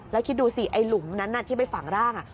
แล้วคิดดูสิไอ้หลุมนั้นที่ไปฝังร่าง